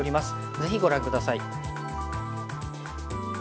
ぜひご覧下さい。